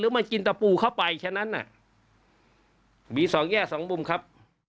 มากินตะปูเข้าไปฉะนั้นน่ะมีสองแง่สองมุมครับ